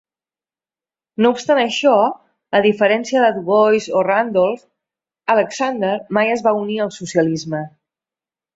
No obstant això, a diferència de Dubois o Randolph, Alexander mai es va unir al socialisme.